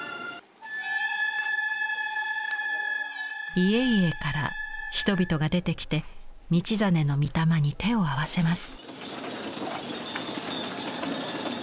家々から人々が出てきて道真の御霊に手を合わせます。